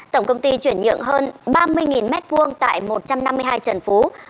tổng công ty chuyển nhượng hơn ba mươi m hai tại một trăm năm mươi hai trần phú